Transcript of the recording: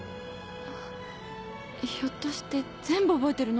あひょっとして全部覚えてるの？